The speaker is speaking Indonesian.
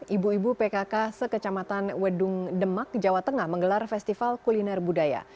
ibu ibu pkk sekecamatan wedung demak jawa tengah menggelar festival kuliner budaya